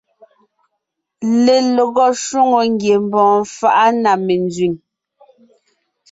Lelɔgɔ shwòŋo ngiembɔɔn faʼa na menzẅìŋ.